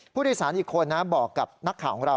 ผู้โดยสารอีกคนนะบอกกับนักข่าวของเรา